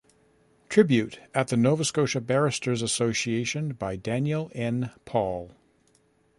Tribute at the Nova Scotia Barristers Association by Daniel N. Paul.